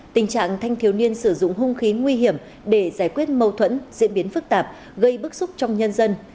tình trạng thanh thiếu niên sử dụng hung khí nguy hiểm để giải quyết mâu thuẫn diễn biến phức tạp gây bức xúc trong nhân dân